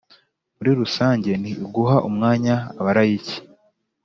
muri rusange, ni uguha umwanya abalayiki